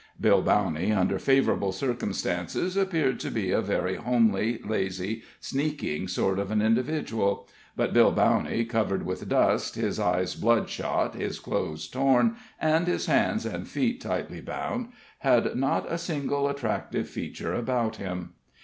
Bill Bowney, under favorable circumstances, appeared to be a very homely, lazy, sneaking sort of an individual; but Bill Bowney, covered with dust, his eyes bloodshot, his clothes torn, and his hands and feet tightly bound, had not a single attractive feature about him.